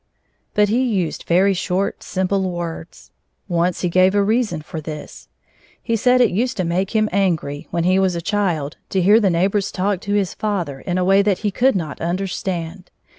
But he used very short, simple words. Once he gave a reason for this. He said it used to make him angry, when he was a child, to hear the neighbors talk to his father in a way that he could not understand.